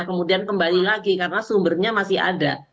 kemudian kembali lagi karena sumbernya masih ada